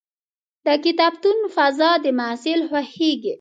د کتابتون فضا د محصل خوښېږي.